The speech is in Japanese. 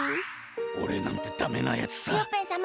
おれなんてダメなやつさ。